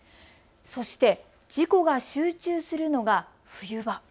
そして事故が集中するのが冬場。